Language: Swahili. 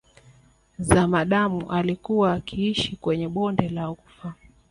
Zamadamu alikuwa akiishi kwenye bonde la Ufa